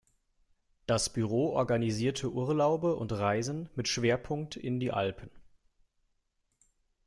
Das Büro organisierte Urlaube und Reisen mit Schwerpunkt in die Alpen.